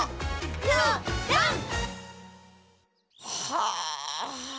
はあ。